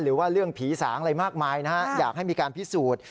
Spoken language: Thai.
หรือว่าเรื่องผีสางอะไรมากมายนะฮะอยากให้มีการพิสูจน์